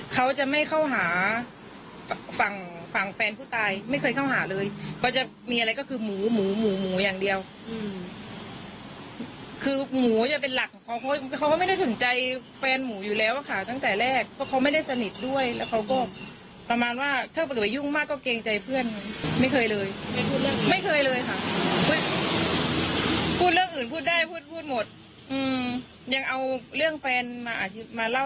เขาจะไม่เข้าหาฝั่งฝั่งแฟนผู้ตายไม่เคยเข้าหาเลยเขาจะมีอะไรก็คือหมูหมูหมูหมูอย่างเดียวอืมคือหมูจะเป็นหลักของเขาเขาก็ไม่ได้สนใจแฟนหมูอยู่แล้วอะค่ะตั้งแต่แรกเพราะเขาไม่ได้สนิทด้วยแล้วเขาก็ประมาณว่าถ้าเกิดไปยุ่งมากก็เกรงใจเพื่อนไม่เคยเลยไม่พูดเรื่องไม่เคยเลยค่ะพูดเรื่องอื่นพูดได้พูดพูดหมดอืมยังเอาเรื่องแฟนมาอาจจะมาเล่า